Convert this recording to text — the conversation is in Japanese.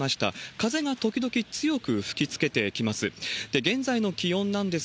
風が時々強く吹きつけてきます。